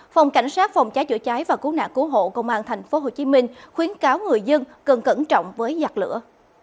phòng cảnh sát phòng trái chữa trái và cú nạc cú hộ công an tp hcm khuyến cáo người dân cần cẩn trọng với giặt lửa